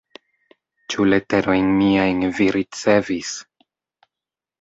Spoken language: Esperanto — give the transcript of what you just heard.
Ĉu leterojn miajn vi ricevis?